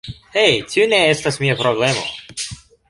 Hej, tio ne estas mia problemo